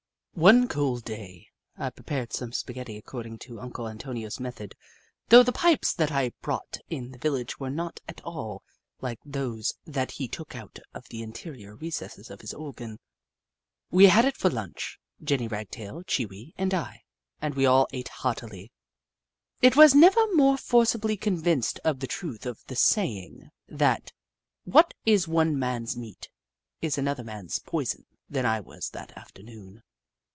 One cold day, I prepared some spaghetti according to Uncle Antonio's method, though the pipes that I bought in the village were not at all like those that he took out of the interior recesses of his organ. We had it for lunch, Jenny Ragtail, Chee Wee, and I, and we all ate heartily. 1 was never more forcibly convinced of the truth of the saying that " What is one man's meat is another man's poison," than I was that afternoon.